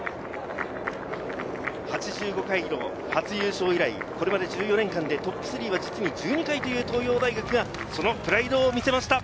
８５回の初優勝以来、１４年間でトップ３は１２回という東洋大学がプライドを見せました。